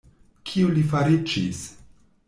Kio li fariĝis?